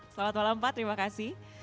selamat malam pak terima kasih